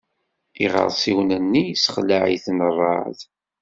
Iɣersiwen-nni yessexleε-iten rrεeḍ.